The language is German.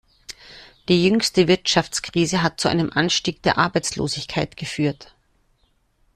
Die jüngste Wirtschaftskrise hat zu einem Anstieg der Arbeitslosigkeit geführt.